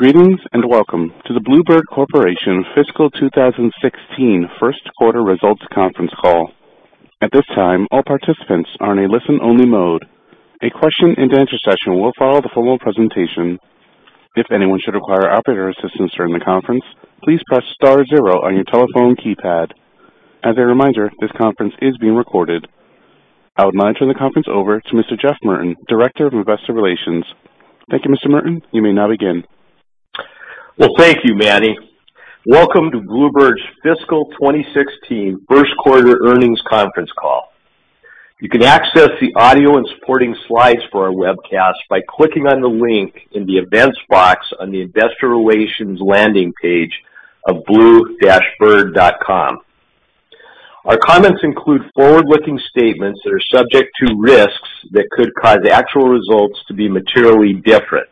Greetings. Welcome to the Blue Bird Corporation Fiscal 2016 First Quarter Results Conference Call. At this time, all participants are in a listen-only mode. A question-and-answer session will follow the formal presentation. If anyone should require operator assistance during the conference, please press star zero on your telephone keypad. As a reminder, this conference is being recorded. I would now turn the conference over to Mr. Jeff Merten, Director of Investor Relations. Thank you, Mr. Merten. You may now begin. Well, thank you, Manny. Welcome to Blue Bird's Fiscal 2016 First Quarter Earnings Conference Call. You can access the audio and supporting slides for our webcast by clicking on the link in the events box on the investor relations landing page of blue-bird.com. Our comments include forward-looking statements that are subject to risks that could cause actual results to be materially different.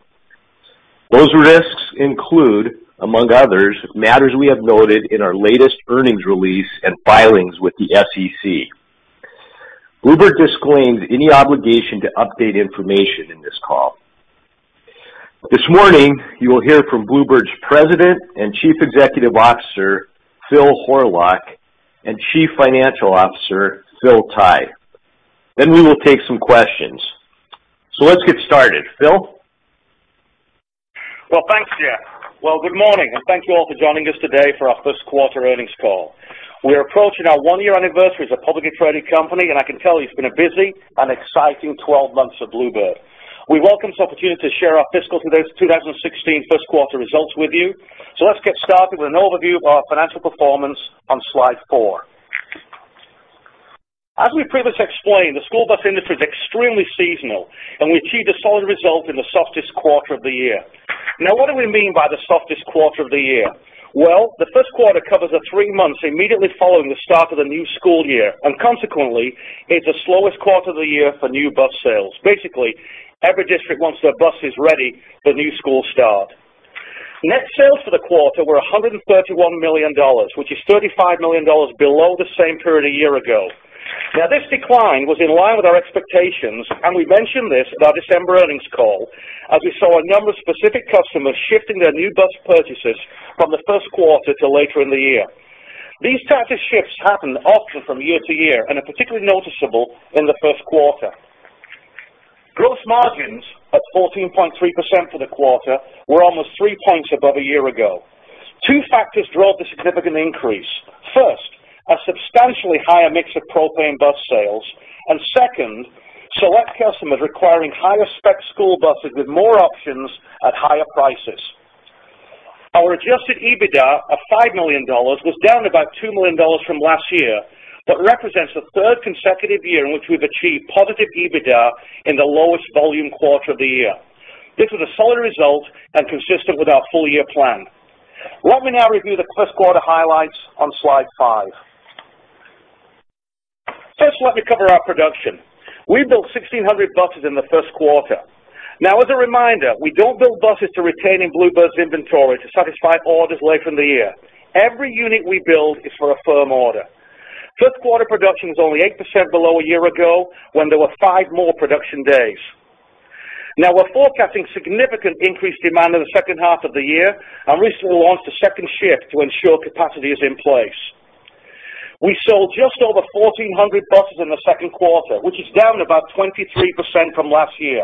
Those risks include, among others, matters we have noted in our latest earnings release and filings with the SEC. Blue Bird disclaims any obligation to update information in this call. This morning, you will hear from Blue Bird's President and Chief Executive Officer, Phil Horlock, and Chief Financial Officer, Phil Tighe. We will take some questions. Let's get started. Phil? Well, thanks, Jeff. Well, good morning. Thank you all for joining us today for our first quarter earnings call. We're approaching our one-year anniversary as a publicly traded company, and I can tell you it's been a busy and exciting 12 months at Blue Bird. We welcome this opportunity to share our Fiscal 2016 first quarter results with you. Let's get started with an overview of our financial performance on slide four. As we previously explained, the school bus industry is extremely seasonal. We achieved a solid result in the softest quarter of the year. Now, what do we mean by the softest quarter of the year? Well, the first quarter covers the three months immediately following the start of the new school year. Consequently, it's the slowest quarter of the year for new bus sales. Basically, every district wants their buses ready for the new school start. Net sales for the quarter were $131 million, which is $35 million below the same period a year ago. Now, this decline was in line with our expectations. I mentioned this in our December earnings call as we saw a number of specific customers shifting their new bus purchases from the first quarter to later in the year. These types of shifts happen often from year to year and are particularly noticeable in the first quarter. Gross margins at 14.3% for the quarter were almost three points above a year ago. Two factors drove the significant increase. First, a substantially higher mix of propane bus sales. Second, select customers requiring higher spec school buses with more options at higher prices. Our adjusted EBITDA of $5 million was down about $2 million from last year but represents the third consecutive year in which we've achieved positive EBITDA in the lowest volume quarter of the year. This was a solid result and consistent with our full-year plan. Let me now review the first quarter highlights on slide five. First, let me cover our production. We built 1,600 buses in the first quarter. As a reminder, we don't build buses to retain in Blue Bird's inventory to satisfy orders later in the year. Every unit we build is for a firm order. First quarter production was only 8% below a year ago when there were five more production days. We're forecasting significant increased demand in the second half of the year and recently launched a second shift to ensure capacity is in place. We sold just over 1,400 buses in the second quarter, which is down about 23% from last year.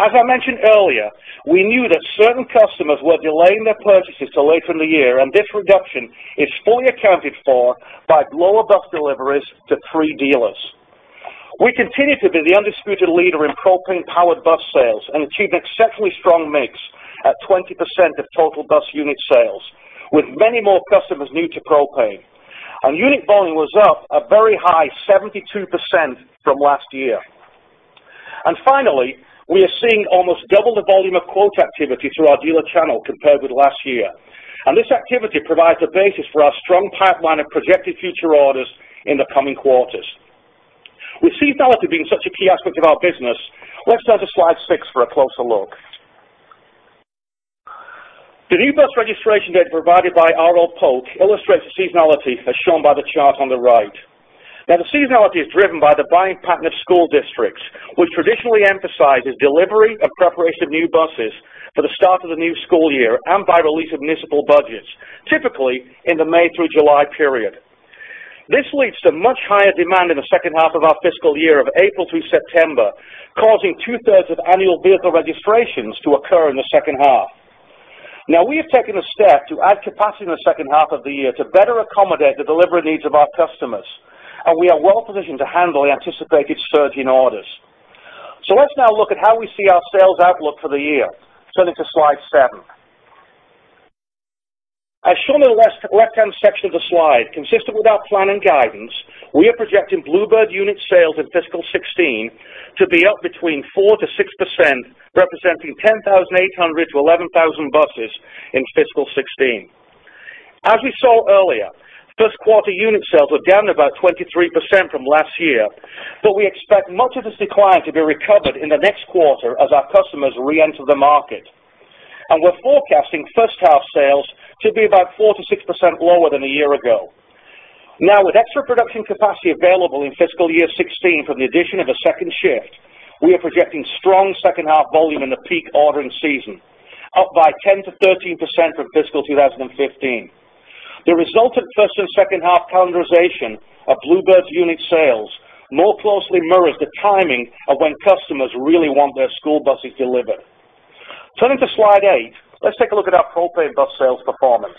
As I mentioned earlier, we knew that certain customers were delaying their purchases to later in the year, and this reduction is fully accounted for by lower bus deliveries to pre-dealers. We continue to be the undisputed leader in propane-powered bus sales and achieved an exceptionally strong mix at 20% of total bus unit sales, with many more customers new to propane. Unit volume was up a very high 72% from last year. Finally, we are seeing almost double the volume of quote activity through our dealer channel compared with last year. This activity provides the basis for our strong pipeline of projected future orders in the coming quarters. We see seasonality being such a key aspect of our business. Let's turn to slide six for a closer look. The new bus registration data provided by R.L. Polk illustrates the seasonality, as shown by the chart on the right. The seasonality is driven by the buying pattern of school districts, which traditionally emphasizes delivery and preparation of new buses for the start of the new school year and by release of municipal budgets, typically in the May through July period. This leads to much higher demand in the second half of our fiscal year of April through September, causing two-thirds of annual vehicle registrations to occur in the second half. We have taken a step to add capacity in the second half of the year to better accommodate the delivery needs of our customers, and we are well positioned to handle the anticipated surge in orders. Let's now look at how we see our sales outlook for the year. Turning to slide seven. As shown on the left-hand section of the slide, consistent with our plan and guidance, we are projecting Blue Bird unit sales in fiscal 2016 to be up between 4%-6%, representing 10,800-11,000 buses in fiscal 2016. As we saw earlier, first quarter unit sales were down about 23% from last year, but we expect much of this decline to be recovered in the next quarter as our customers reenter the market. We're forecasting first half sales to be about 4%-6% lower than a year ago. With extra production capacity available in fiscal year 2016 from the addition of a second shift, we are projecting strong second half volume in the peak ordering season, up by 10%-13% from fiscal 2015. The resultant first and second half calendarization of Blue Bird's unit sales more closely mirrors the timing of when customers really want their school buses delivered. Turning to slide eight, let's take a look at our propane bus sales performance.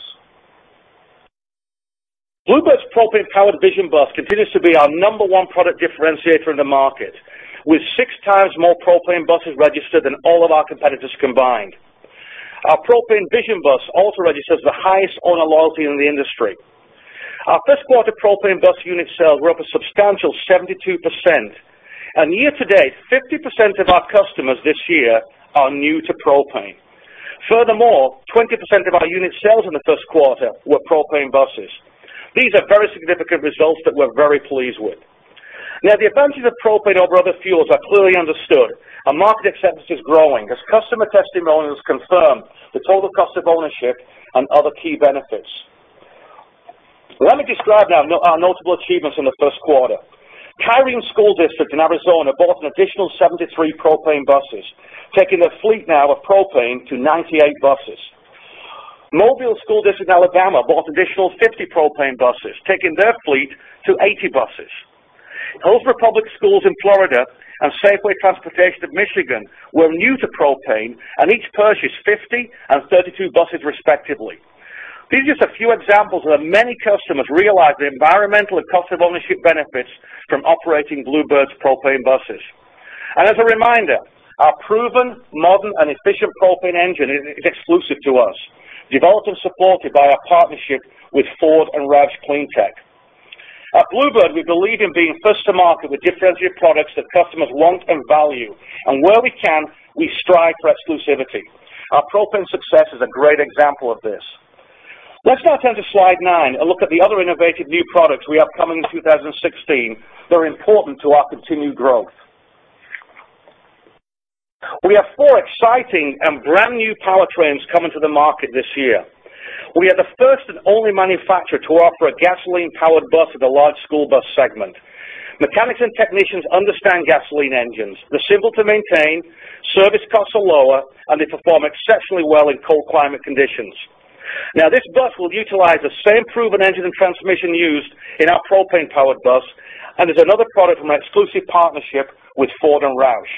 Blue Bird's propane-powered Vision bus continues to be our number one product differentiator in the market, with six times more propane buses registered than all of our competitors combined. Our propane Vision bus also registers the highest owner loyalty in the industry. Our first quarter propane bus unit sales were up a substantial 72%, and year-to-date, 50% of our customers this year are new to propane. Furthermore, 20% of our unit sales in the first quarter were propane buses. These are very significant results that we're very pleased with. Now, the advantages of propane over other fuels are clearly understood, and market acceptance is growing as customer testimonials confirm the total cost of ownership and other key benefits. Let me describe now our notable achievements in the first quarter. Kyrene School District in Arizona bought an additional 73 propane buses, taking their fleet now of propane to 98 buses. Mobile School District in Alabama bought additional 50 propane buses, taking their fleet to 80 buses. Hillsborough Public Schools in Florida and Safeway Transportation of Michigan were new to propane and each purchased 50 and 32 buses respectively. These are just a few examples of the many customers realize the environmental and cost of ownership benefits from operating Blue Bird's propane buses. As a reminder, our proven modern and efficient propane engine is exclusive to us, developed and supported by our partnership with Ford and Roush CleanTech. At Blue Bird, we believe in being first to market with differentiated products that customers want and value. Where we can, we strive for exclusivity. Our propane success is a great example of this. Let's now turn to slide nine and look at the other innovative new products we have coming in 2016 that are important to our continued growth. We have four exciting and brand-new powertrains coming to the market this year. We are the first and only manufacturer to offer a gasoline-powered bus for the large school bus segment. Mechanics and technicians understand gasoline engines. They're simple to maintain, service costs are lower, and they perform exceptionally well in cold climate conditions. Now this bus will utilize the same proven engine and transmission used in our propane-powered bus and is another product from our exclusive partnership with Ford and Roush.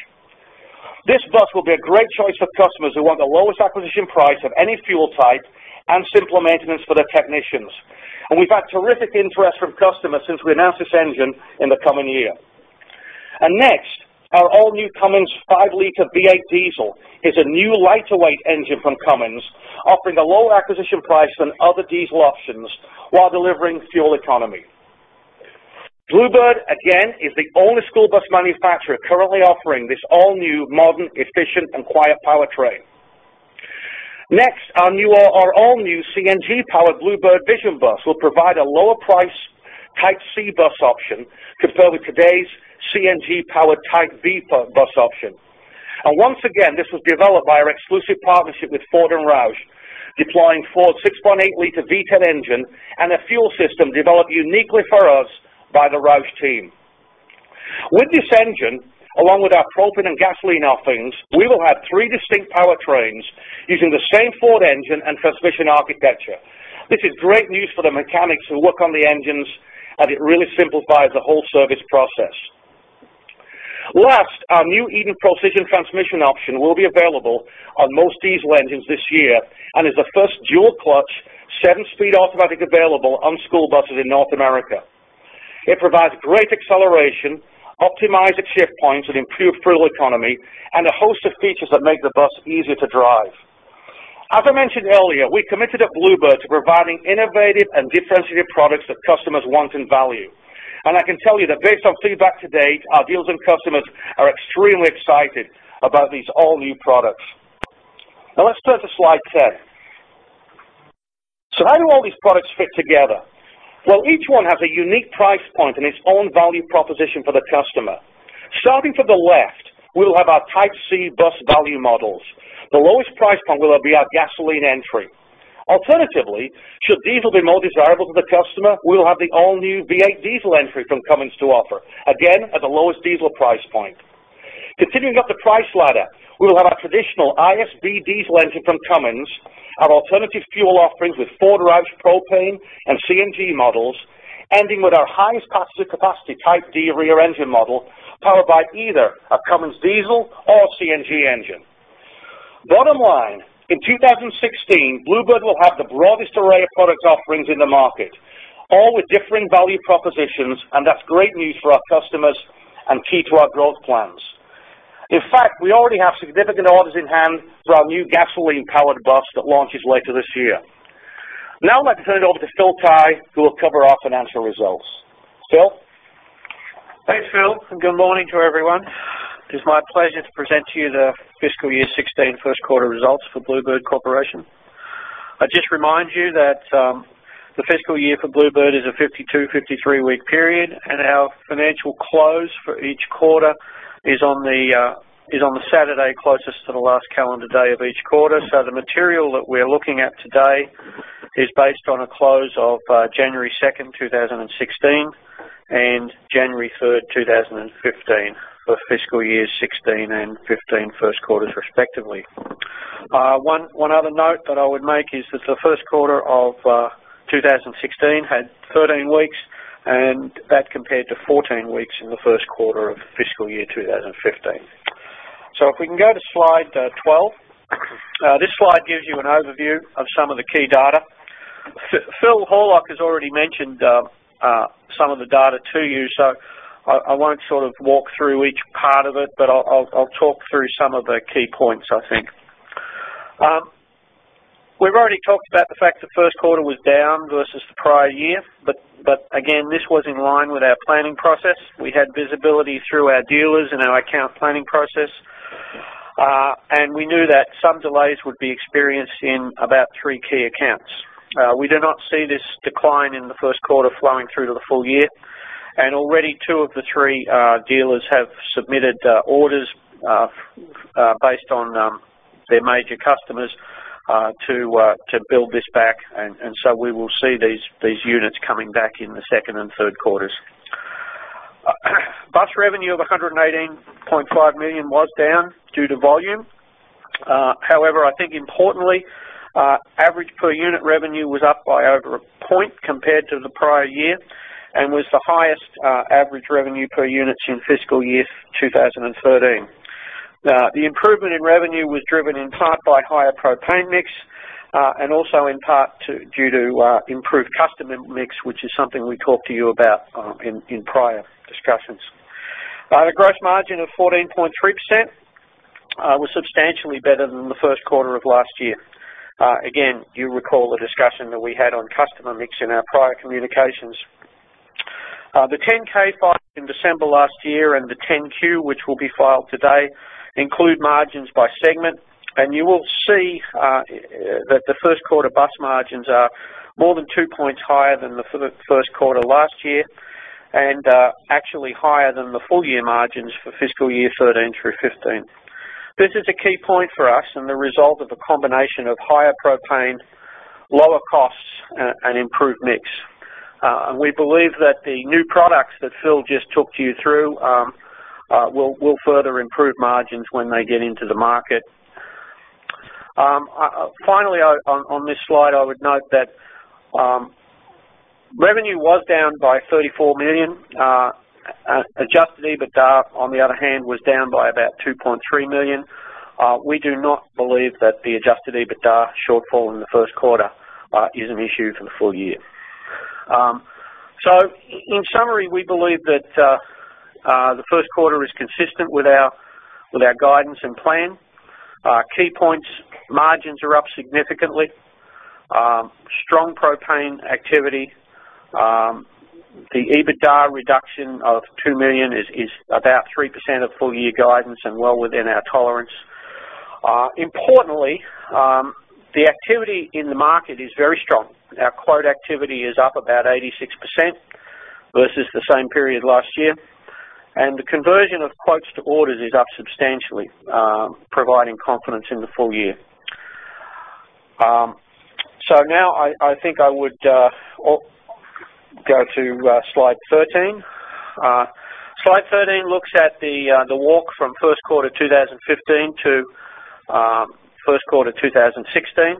This bus will be a great choice for customers who want the lowest acquisition price of any fuel type and simpler maintenance for their technicians. We've had terrific interest from customers since we announced this engine in the coming year. Next, our all-new Cummins 5.0 L V8 diesel is a new lighter-weight engine from Cummins, offering a lower acquisition price than other diesel options while delivering fuel economy. Blue Bird, again, is the only school bus manufacturer currently offering this all-new modern, efficient, and quiet powertrain. Next, our all-new CNG-powered Blue Bird Vision bus will provide a lower price Type C bus option compared with today's CNG-powered Type B bus option. Once again, this was developed by our exclusive partnership with Ford and Roush, deploying Ford's 6.8 L V10 engine and a fuel system developed uniquely for us by the Roush team. With this engine, along with our propane and gasoline offerings, we will have three distinct powertrains using the same Ford engine and transmission architecture. This is great news for the mechanics who work on the engines as it really simplifies the whole service process. Last, our new Eaton Procision Transmission option will be available on most diesel engines this year and is the first dual-clutch, 7-speed automatic available on school buses in North America. It provides great acceleration, optimized shift points, and improved fuel economy, and a host of features that make the bus easier to drive. As I mentioned earlier, we committed at Blue Bird to providing innovative and differentiated products that customers want and value. I can tell you that based on feedback to date, our dealers and customers are extremely excited about these all-new products. Let's turn to slide 10. How do all these products fit together? Well, each one has a unique price point and its own value proposition for the customer. Starting from the left, we will have our Type C bus value models. The lowest price point will be our gasoline entry. Alternatively, should diesel be more desirable to the customer, we will have the all-new V8 diesel entry from Cummins to offer, again, at the lowest diesel price point. Continuing up the price ladder, we will have our traditional ISB diesel engine from Cummins, our alternative fuel offerings with Ford/Roush propane and CNG models, ending with our highest passenger capacity Type D rear engine model, powered by either a Cummins diesel or a CNG engine. Bottom line, in 2016, Blue Bird will have the broadest array of product offerings in the market, all with differing value propositions, that's great news for our customers and key to our growth plans. In fact, we already have significant orders in hand for our new gasoline-powered bus that launches later this year. I'd like to turn it over to Phil Tighe, who will cover our financial results. Phil? Thanks, Phil, and good morning to everyone. It is my pleasure to present to you the fiscal year 2016 first quarter results for Blue Bird Corporation. I'd just remind you that the fiscal year for Blue Bird is a 52, 53-week period, and our financial close for each quarter is on the Saturday closest to the last calendar day of each quarter. The material that we're looking at today is based on a close of January 2nd, 2016, and January 3rd, 2015, for fiscal years 2016 and 2015 first quarters respectively. One other note that I would make is that the first quarter of 2016 had 13 weeks, and that compared to 14 weeks in the first quarter of fiscal year 2015. If we can go to slide 12. This slide gives you an overview of some of the key data. Phil Horlock has already mentioned some of the data to you, so I won't walk through each part of it, but I'll talk through some of the key points, I think. We've already talked about the fact the first quarter was down versus the prior year, but again, this was in line with our planning process. We had visibility through our dealers and our account planning process. We knew that some delays would be experienced in about three key accounts. We do not see this decline in the first quarter flowing through to the full year, and already two of the three dealers have submitted orders based on their major customers to build this back. We will see these units coming back in the second and third quarters. Bus revenue of $118.5 million was down due to volume. Importantly, average per unit revenue was up by over a point compared to the prior year and was the highest average revenue per units in fiscal year 2013. The improvement in revenue was driven in part by higher propane mix, and also in part due to improved customer mix, which is something we talked to you about in prior discussions. The gross margin of 14.3% was substantially better than the first quarter of last year. You recall the discussion that we had on customer mix in our prior communications. The 10-K filed in December last year and the 10-Q, which will be filed today, include margins by segment, and you will see that the first quarter bus margins are more than two points higher than for the first quarter last year and are actually higher than the full-year margins for fiscal year 2013 through 2015. This is a key point for us and the result of a combination of higher propane, lower costs, and improved mix. We believe that the new products that Phil just talked you through will further improve margins when they get into the market. Finally, on this slide, I would note that revenue was down by $34 million. Adjusted EBITDA, on the other hand, was down by about $2.3 million. We do not believe that the adjusted EBITDA shortfall in the first quarter is an issue for the full year. In summary, we believe that the first quarter is consistent with our guidance and plan. Key points, margins are up significantly. Strong propane activity. The EBITDA reduction of $2 million is about 3% of full-year guidance and well within our tolerance. Importantly, the activity in the market is very strong. Our quote activity is up about 86% versus the same period last year. The conversion of quotes to orders is up substantially, providing confidence in the full year. Now I think I would go to slide 13. Slide 13 looks at the walk from first quarter 2015 to first quarter 2016.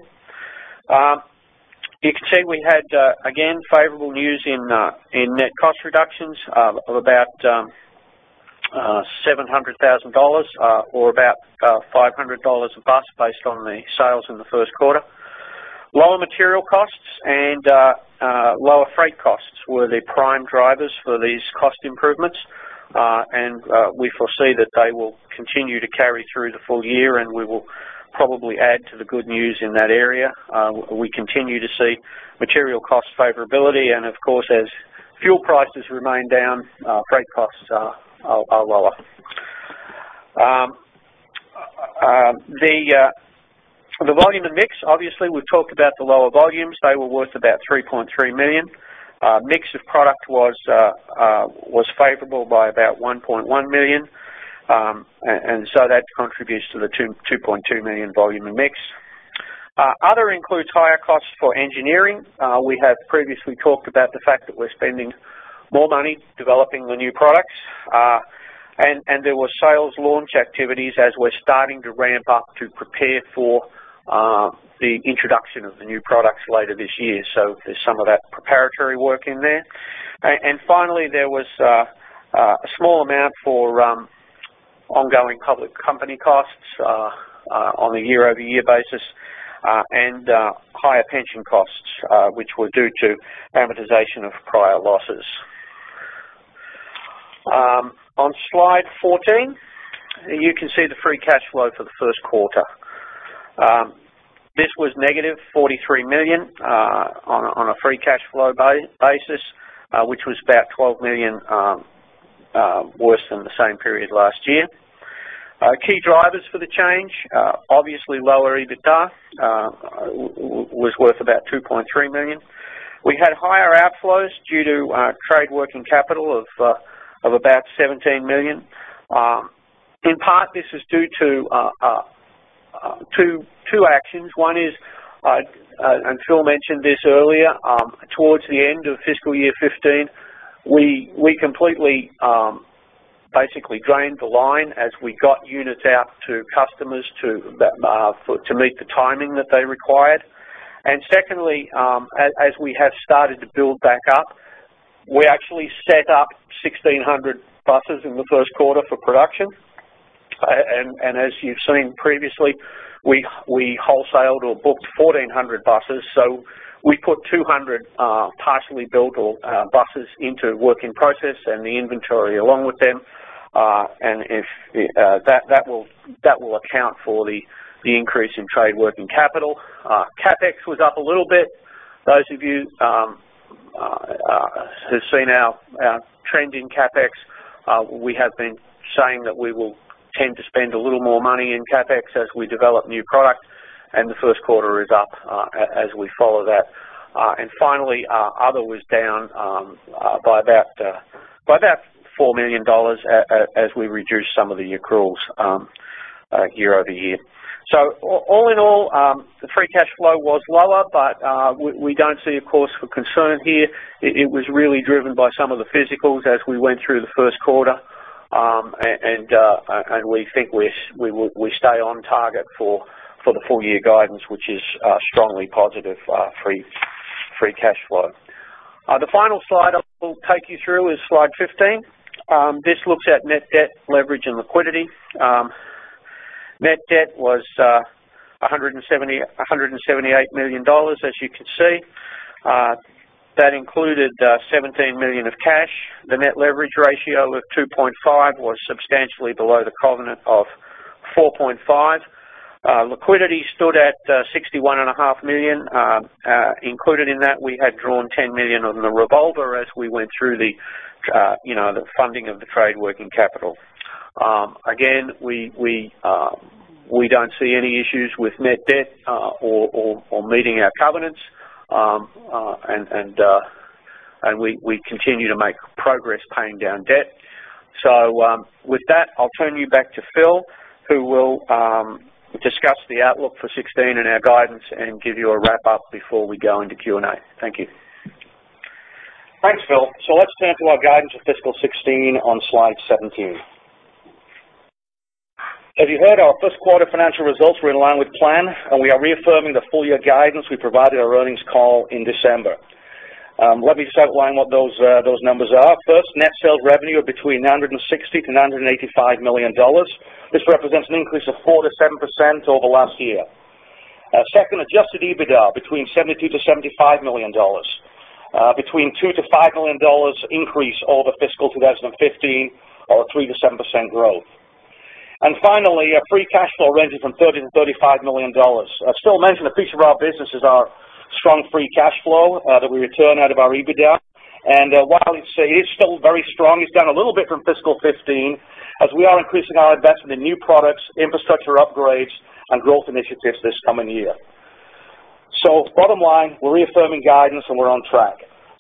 You can see we had, again, favorable news in net cost reductions of about $700,000, or about $500 a bus, based on the sales in the first quarter. Lower material costs and lower freight costs were the prime drivers for these cost improvements. We foresee that they will continue to carry through the full year, and we will probably add to the good news in that area. We continue to see material cost favorability, and of course, as fuel prices remain down, freight costs are lower. The volume and mix, obviously, we've talked about the lower volumes. They were worth about $3.3 million. Mix of product was favorable by about $1.1 million. That contributes to the $2.2 million volume and mix. Other includes higher costs for engineering. We have previously talked about the fact that we're spending more money developing the new products. There were sales launch activities as we're starting to ramp up to prepare for the introduction of the new products later this year. There's some of that preparatory work in there. Finally, there was a small amount for ongoing public company costs on a year-over-year basis, and higher pension costs, which were due to amortization of prior losses. On slide 14, you can see the free cash flow for the first quarter. This was negative $43 million on a free cash flow basis, which was about $12 million worse than the same period last year. Key drivers for the change, obviously lower EBITDA was worth about $2.3 million. We had higher outflows due to trade working capital of about $17 million. In part, this is due to two actions. One is, Phil mentioned this earlier, towards the end of fiscal year 2015, we completely basically drained the line as we got units out to customers to meet the timing that they required. Secondly, as we have started to build back up, we actually set up 1,600 buses in the first quarter for production. As you've seen previously, we wholesaled or booked 1,400 buses. We put 200 partially built buses into work in process and the inventory along with them. That will account for the increase in trade working capital. CapEx was up a little bit. Those of you who've seen our trending CapEx, we have been saying that we will tend to spend a little more money in CapEx as we develop new product, and the first quarter is up as we follow that. Finally, other was down by about $4 million as we reduced some of the accruals year-over-year. All in all, the free cash flow was lower, but we don't see a cause for concern here. It was really driven by some of the physicals as we went through the first quarter. We think we stay on target for the full year guidance, which is strongly positive free cash flow. The final slide I will take you through is slide 15. This looks at net debt leverage and liquidity. Net debt was $178 million, as you can see. That included $17 million of cash. The net leverage ratio of 2.5 was substantially below the covenant of 4.5. Liquidity stood at $61.5 million. Included in that, we had drawn $10 million on the revolver as we went through the funding of the trade working capital. Again, we don't see any issues with net debt or meeting our covenants. We continue to make progress paying down debt. With that, I'll turn you back to Phil, who will discuss the outlook for 2016 and our guidance and give you a wrap-up before we go into Q&A. Thank you. Thanks, Phil. Let's turn to our guidance for fiscal 2016 on slide 17. As you heard, our first quarter financial results were in line with plan, and we are reaffirming the full year guidance we provided our earnings call in December. Let me just outline what those numbers are. First, net sales revenue of between $960 million-$985 million. This represents an increase of 4%-7% over last year. Second, adjusted EBITDA between $72 million-$75 million. Between $2 million-$5 million increase over fiscal 2015 or 3%-7% growth. Finally, our free cash flow ranges from $30 million-$35 million. I still mention a feature of our business is our strong free cash flow that we return out of our EBITDA. While it is still very strong, it's down a little bit from fiscal 2015 as we are increasing our investment in new products, infrastructure upgrades, and growth initiatives this coming year. Bottom line, we're reaffirming guidance, and we're on track.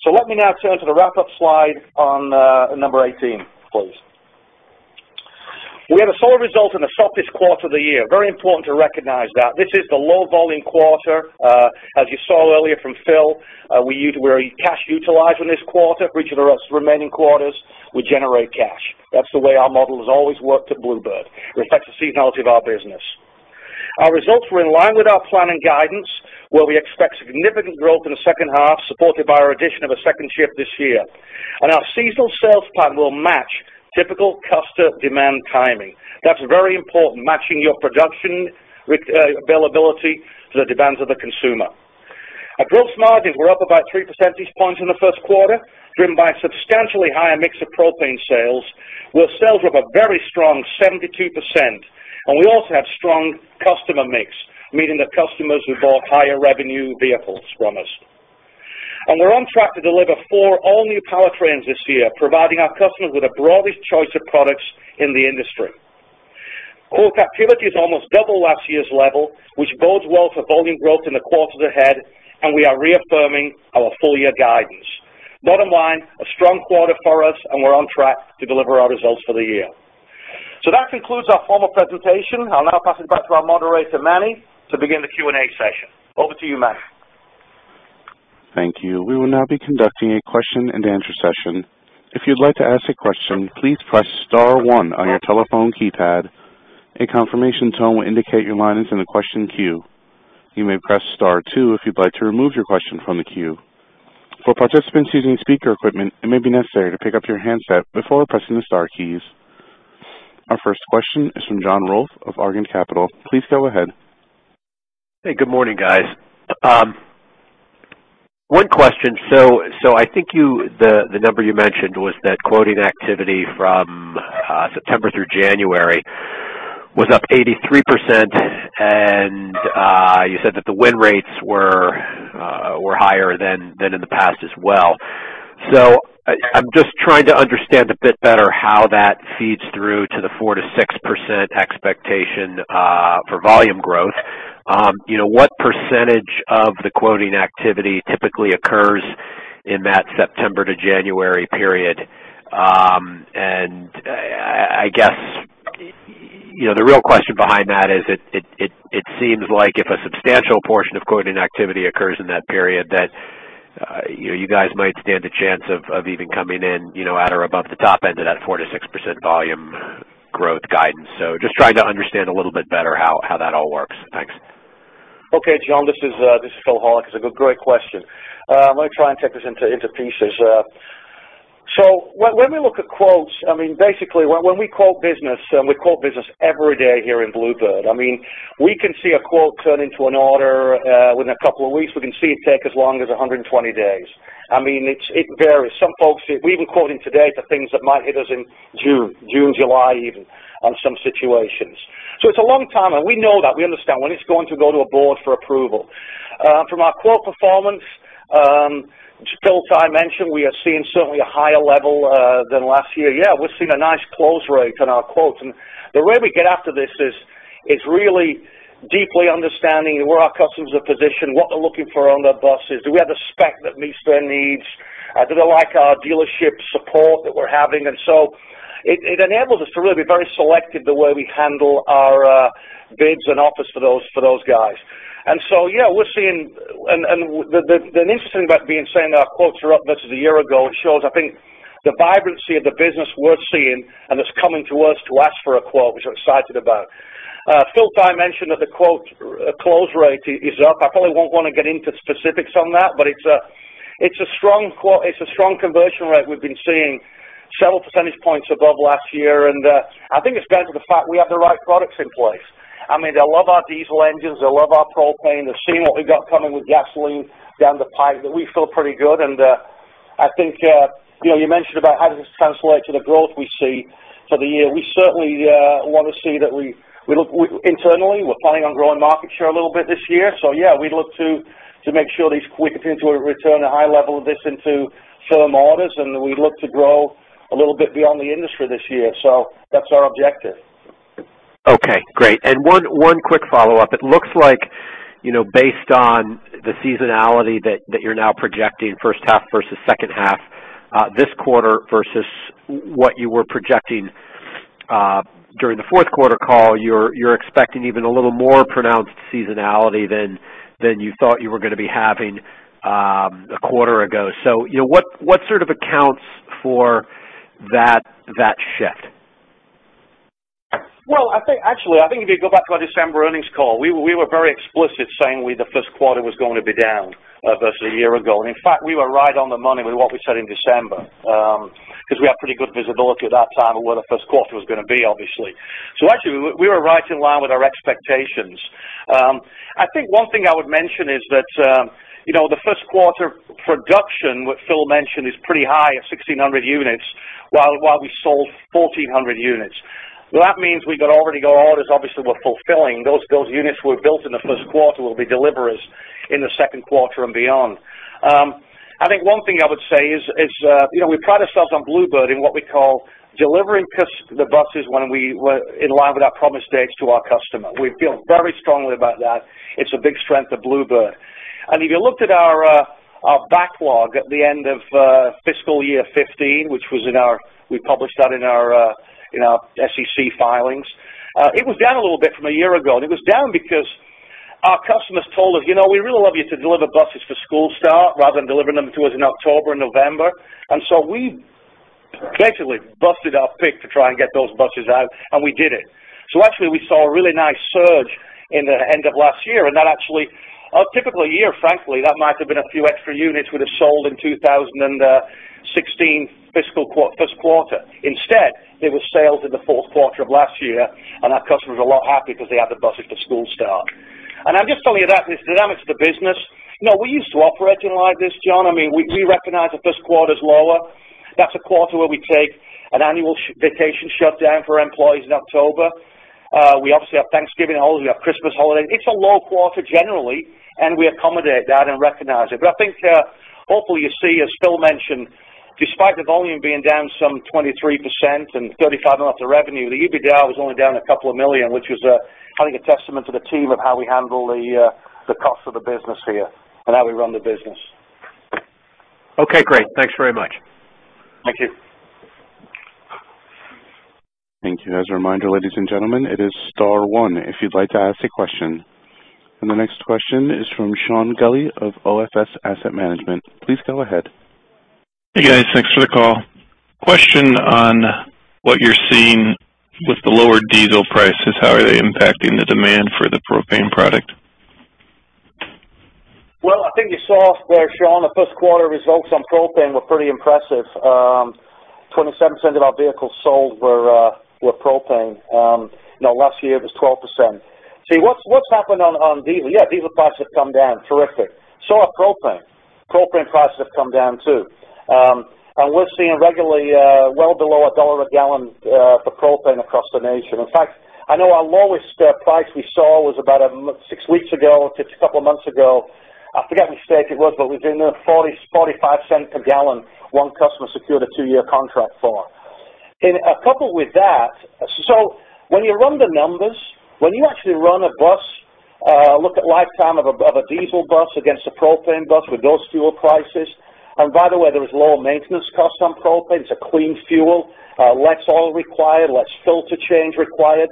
Let me now turn to the wrap-up slide on slide 18, please. We had a solid result in the softest quarter of the year. Very important to recognize that. This is the low volume quarter. As you saw earlier from Phil, we're cash utilizing this quarter. Reaching the remaining quarters, we generate cash. That's the way our model has always worked at Blue Bird. Reflects the seasonality of our business. Our results were in line with our plan and guidance, where we expect significant growth in the second half, supported by our addition of a second shift this year. Our seasonal sales plan will match typical customer demand timing. That's very important, matching your production availability to the demands of the consumer. Our gross margins were up about three percentage points in the first quarter, driven by a substantially higher mix of propane sales, where sales were up a very strong 72%. We also have strong customer mix, meaning that customers who bought higher revenue vehicles from us. We're on track to deliver four all-new powertrains this year, providing our customers with the broadest choice of products in the industry. Book activity is almost double last year's level, which bodes well for volume growth in the quarters ahead, and we are reaffirming our full-year guidance. Bottom line, a strong quarter for us, and we're on track to deliver our results for the year. That concludes our formal presentation. I'll now pass it back to our moderator, Manny, to begin the Q&A session. Over to you, Manny. Thank you. We will now be conducting a question and answer session. If you'd like to ask a question, please press star one on your telephone keypad. A confirmation tone will indicate your line is in the question queue. You may press star two if you'd like to remove your question from the queue. For participants using speaker equipment, it may be necessary to pick up your handset before pressing the star keys. Our first question is from John Rolfe of Argand Capital. Please go ahead. Hey, good morning, guys. One question. I think the number you mentioned was that quoting activity from September through January was up 83%, and you said that the win rates were higher than in the past as well. I'm just trying to understand a bit better how that feeds through to the 4%-6% expectation for volume growth. What percentage of the quoting activity typically occurs in that September to January period? I guess, the real question behind that is, it seems like if a substantial portion of quoting activity occurs in that period that you guys might stand a chance of even coming in at or above the top end of that 4%-6% volume growth guidance. I'm just trying to understand a little bit better how that all works. Thanks. Okay, John, this is Phil Horlock. It's a great question. I'm going to try and take this into pieces. When we look at quotes, basically, when we quote business, we quote business every day here in Blue Bird. We can see a quote turn into an order within a couple of weeks. We can see it take as long as 120 days. It varies. Some folks, we're even quoting today for things that might hit us in June, July even, on some situations. It's a long time, and we know that. We understand when it's going to go to a board for approval. From our quote performance, Phil Tighe mentioned we are seeing certainly a higher level than last year. Yeah, we're seeing a nice close rate on our quotes. The way we get after this is really deeply understanding where our customers are positioned, what they're looking for on their buses. Do we have the spec that meets their needs? Do they like our dealership support that we're having? It enables us to really be very selective the way we handle our bids and offers for those guys. The interesting about being saying our quotes are up versus a year ago, it shows, I think, the vibrancy of the business we're seeing and is coming to us to ask for a quote, which we're excited about. Phil Tighe mentioned that the quote close rate is up. I probably won't want to get into specifics on that, but it's a strong conversion rate we've been seeing several percentage points above last year, and I think it's down to the fact we have the right products in place. They love our diesel engines, they love our propane. They've seen what we've got coming with gasoline down the pipe that we feel pretty good. I think, you mentioned about how does this translate to the growth we see for the year. We certainly want to see that we look internally. We're planning on growing market share a little bit this year. Yeah, we'd look to make sure these quick into a return, a high level of this into firm orders, we look to grow a little bit beyond the industry this year. That's our objective. Okay, great. One quick follow-up. It looks like based on the seasonality that you're now projecting first half versus second half this quarter versus what you were projecting during the fourth quarter call, you're expecting even a little more pronounced seasonality than you thought you were going to be having a quarter ago. What sort of accounts for that shift? Well, actually, I think if you go back to our December earnings call, we were very explicit saying the first quarter was going to be down versus a year ago. In fact, we were right on the money with what we said in December, because we had pretty good visibility at that time of where the first quarter was going to be, obviously. Actually, we were right in line with our expectations. I think one thing I would mention is that the first quarter production, what Phil mentioned, is pretty high at 1,600 units, while we sold 1,400 units. Well, that means we've already got orders, obviously, we're fulfilling. Those units were built in the first quarter will be deliveries in the second quarter and beyond. I think one thing I would say is we pride ourselves on Blue Bird in what we call delivering the buses when we were in line with our promise dates to our customer. We feel very strongly about that. It's a big strength of Blue Bird. If you looked at our backlog at the end of fiscal year 2015, which we published that in our SEC filings, it was down a little bit from a year ago. It was down because our customers told us, "We really love you to deliver buses for school start rather than delivering them to us in October and November." We creatively busted our pick to try and get those buses out, and we did it. Actually, we saw a really nice surge at the end of last year, and that actually, a typical year, frankly, that might have been a few extra units we'd have sold in 2016 first quarter. Instead, they were sales in the fourth quarter of last year, and our customers are a lot happy because they had the buses for school start. I'm just telling you that the dynamics of the business, we're used to operating like this, John. We recognize that this quarter's lower. That's a quarter where we take an annual vacation shutdown for our employees in October. We obviously have Thanksgiving holiday, we have Christmas holiday. It's a low quarter generally, and we accommodate that and recognize it. I think hopefully you see, as Phil mentioned, despite the volume being down some 23% and $35 million of revenue, the EBITDA was only down a couple of million, which was I think a testament to the team of how we handle the cost of the business here and how we run the business. Okay, great. Thanks very much. Thank you. Thank you. As a reminder, ladies and gentlemen, it is star one if you'd like to ask a question. The next question is from Sean Gully of OFS Asset Management. Please go ahead. Hey, guys. Thanks for the call. Question on what you're seeing with the lower diesel prices. How are they impacting the demand for the propane product? Well, I think you saw there, Sean, the first quarter results on propane were pretty impressive. 27% of our vehicles sold were propane. Last year it was 12%. What's happened on diesel, yeah, diesel prices have come down. Terrific. So have propane. Propane prices have come down, too. We're seeing regularly well below $1 a gallon for propane across the nation. In fact, I know our lowest price we saw was about six weeks ago, just a couple of months ago. I forget which state it was, but it was in the $0.40-$0.45 per gallon, one customer secured a 2-year contract for. A couple with that, so when you run the numbers, when you actually run a bus, look at lifetime of a diesel bus against a propane bus with those fuel prices, and by the way, there is lower maintenance costs on propane. It's a clean fuel, less oil required, less filter change required.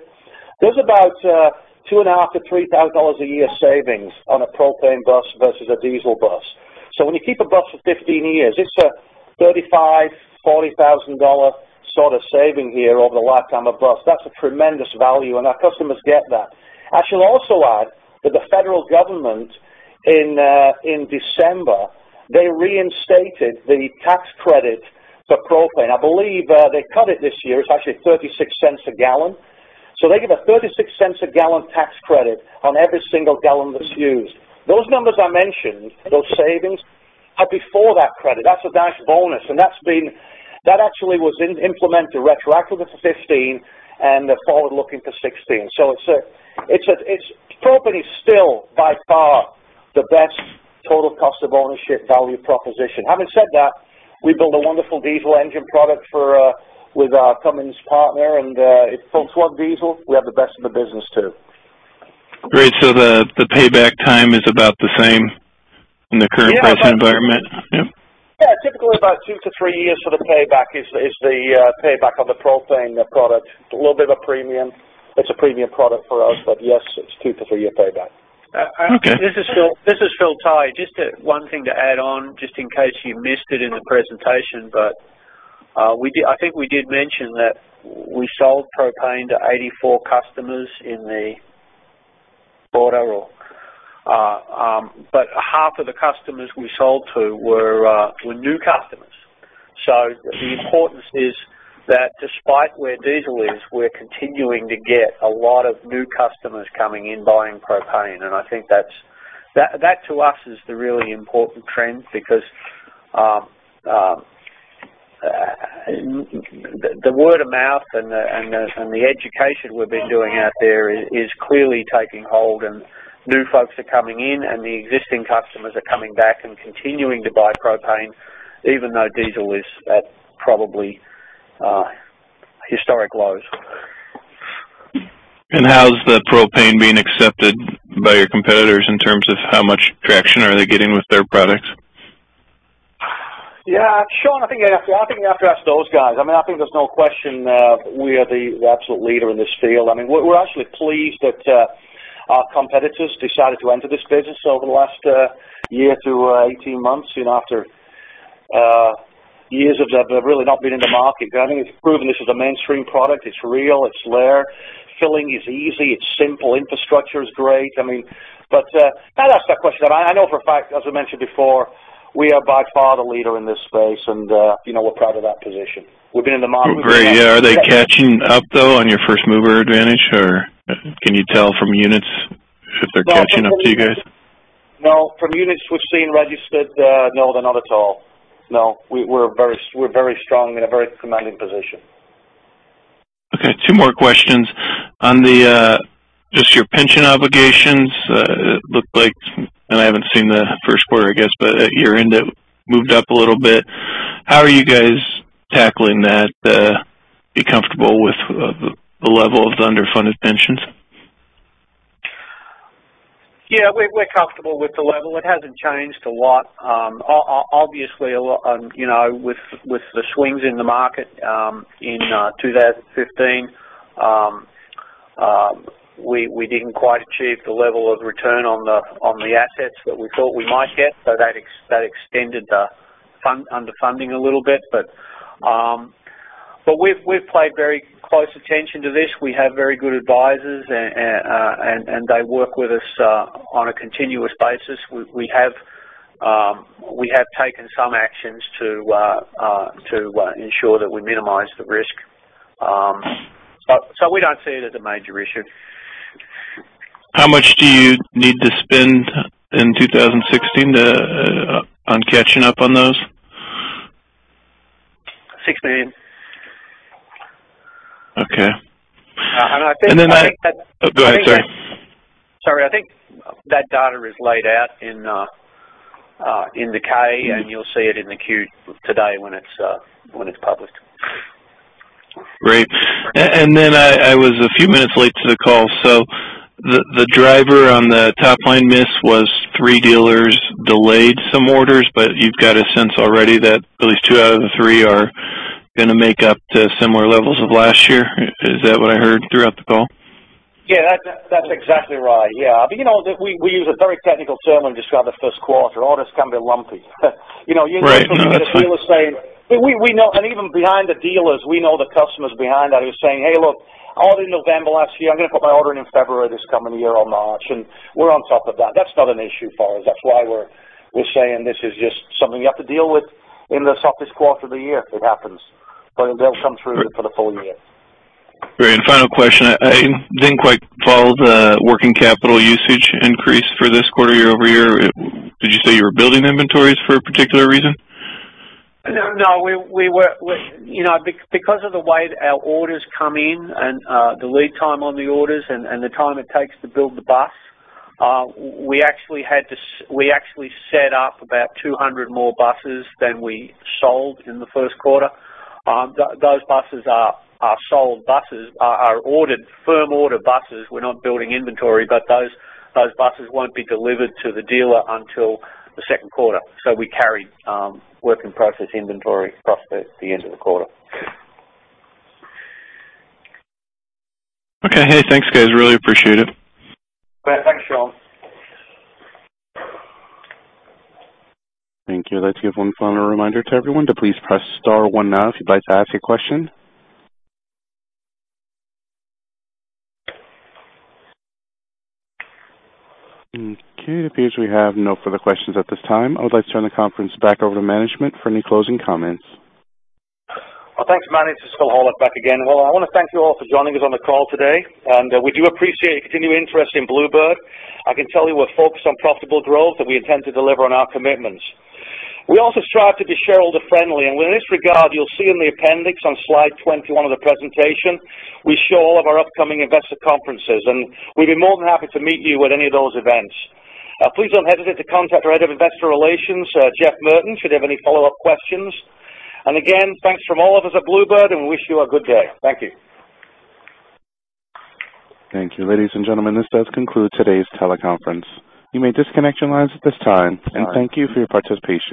There's about $2,500-$3,000 a year savings on a propane bus versus a diesel bus. When you keep a bus for 15 years, it's a $35,000-$40,000 sort of saving here over the lifetime of bus. That's a tremendous value and our customers get that. I should also add that the federal government in December, they reinstated the tax credit for propane. I believe they cut it this year. It's actually $0.36 a gallon. They give a $0.36 a gallon tax credit on every single gallon that's used. Those numbers I mentioned, those savings, are before that credit. That's a nice bonus. That actually was implemented retroactively for 2015 and forward looking for 2016. Propane is still by far the best total cost of ownership value proposition. Having said that, we build a wonderful diesel engine product with our Cummins partner. It's full swap diesel. We have the best in the business, too. Great. The payback time is about the same in the current pricing environment? Yep. Yeah, typically about 2-3 years for the payback is the payback on the propane product. A little bit of a premium. It's a premium product for us. Yes, it's 2-3 year payback. Okay. This is Phil Tighe. Just one thing to add on, just in case you missed it in the presentation. I think we did mention that we sold propane to 84 customers in the quarter, but half of the customers we sold to were new customers. The importance is that despite where diesel is, we're continuing to get a lot of new customers coming in buying propane. I think that to us is the really important trend because the word of mouth and the education we've been doing out there is clearly taking hold and new folks are coming in and the existing customers are coming back and continuing to buy propane even though diesel is at probably historic lows. how's the propane being accepted by your competitors in terms of how much traction are they getting with their products? Yeah, Sean, I think you have to ask those guys. I think there's no question we are the absolute leader in this field. We're actually pleased that our competitors decided to enter this business over the last year to 18 months, after years of really not being in the market. I think it's proven this is a mainstream product. It's real, it's there. Filling is easy, it's simple. Infrastructure is great. I'd ask that question. I know for a fact, as I mentioned before, we are by far the leader in this space and we're proud of that position. We've been in the market. Great. Yeah. Are they catching up though, on your first-mover advantage? Can you tell from units if they're catching up to you guys? No. From units we've seen registered, no, they're not at all. No. We're very strong in a very commanding position. Two more questions. On just your pension obligations, it looked like, and I haven't seen the first quarter, I guess, but at year-end, it moved up a little bit. How are you guys tackling that? Be comfortable with the level of the underfunded pensions? We're comfortable with the level. It hasn't changed a lot. Obviously, with the swings in the market in 2015, we didn't quite achieve the level of return on the assets that we thought we might get. That extended the underfunding a little bit. We've paid very close attention to this. We have very good advisors, and they work with us on a continuous basis. We have taken some actions to ensure that we minimize the risk. We don't see it as a major issue. How much do you need to spend in 2016 on catching up on those? $6 million. Okay. I think that- Go ahead. Sorry. Sorry. I think that data is laid out in the K, and you'll see it in the Q today when it's published. Great. I was a few minutes late to the call, the driver on the top-line miss was three dealers delayed some orders, you've got a sense already that at least two out of the three are going to make up to similar levels of last year. Is that what I heard throughout the call? Yeah. That's exactly right. Yeah. We use a very technical term when we describe the first quarter. Orders can be lumpy. Right. No, that's fine. Even behind the dealers, we know the customers behind that who are saying, "Hey, look, I ordered in November last year, I'm going to put my order in in February this coming year or March." We're on top of that. That's not an issue for us. That's why we're saying this is just something you have to deal with in the softest quarter of the year. It happens. It does come through for the full year. Great. Final question. I didn't quite follow the working capital usage increase for this quarter year-over-year. Did you say you were building inventories for a particular reason? No, no. Because of the way our orders come in and the lead time on the orders and the time it takes to build the bus, we actually set up about 200 more buses than we sold in the first quarter. Those buses are sold buses, are ordered firm order buses. We're not building inventory, but those buses won't be delivered to the dealer until the second quarter. We carried work in process inventory across the end of the quarter. Okay. Hey, thanks, guys. Really appreciate it. Thanks, Sean. Thank you. Let's give one final reminder to everyone to please press star one now if you'd like to ask a question. Okay, it appears we have no further questions at this time. I would like to turn the conference back over to management for any closing comments. Well, thanks, Manny. This is Phil Horlock back again. Well, I want to thank you all for joining us on the call today. We do appreciate your continued interest in Blue Bird. I can tell you we're focused on profitable growth. We intend to deliver on our commitments. We also strive to be shareholder-friendly. In this regard, you'll see in the appendix on slide 21 of the presentation, we show all of our upcoming investor conferences. We'd be more than happy to meet you at any of those events. Please don't hesitate to contact our Head of Investor Relations, Jeff Merten, should you have any follow-up questions. Again, thanks from all of us at Blue Bird. We wish you a good day. Thank you. Thank you. Ladies and gentlemen, this does conclude today's teleconference. You may disconnect your lines at this time. Thank you for your participation.